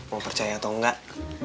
mau percaya atau enggak